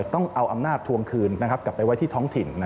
ต้องเอาอำนาจทวงคืนกลับไปไว้ที่ท้องถิ่น